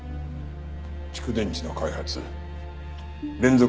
蓄電池の開発連続